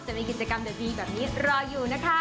ในกิจกรรมดีแบบนี้รออยู่นะคะ